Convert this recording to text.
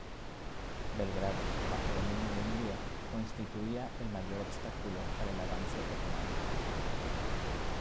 Belgrado, bajo dominio de Hungría, constituía el mayor obstáculo para el avance otomano.